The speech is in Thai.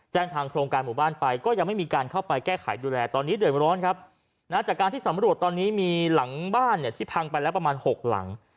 ทางโครงการหมู่บ้านไปก็ยังไม่มีการเข้าไปแก้ไขดูแลตอนนี้เดือดร้อนครับนะจากการที่สำรวจตอนนี้มีหลังบ้านเนี่ยที่พังไปแล้วประมาณ๖หลัง